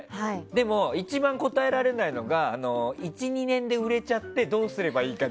でも、一番答えられないのが１２年で売れちゃってどうすればいいか。